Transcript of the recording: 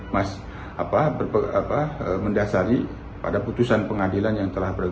mas mendasari pada putusan pengadilan yang telah berlaku